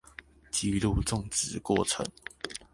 記錄種植過程